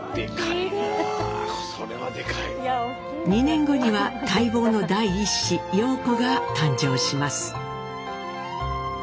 ２年後には待望の第１子陽子が誕生します。